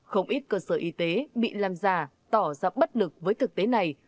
không ít cơ sở y tế bị làm giả tỏ ra bất lực với thực tế này